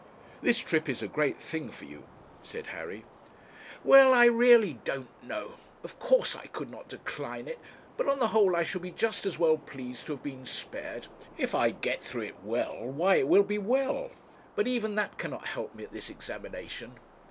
'This trip is a great thing for you,' said Harry. 'Well, I really don't know. Of course I could not decline it; but on the whole I should be just as well pleased to have been spared. If I get through it well, why it will be well. But even that cannot help me at this examination.'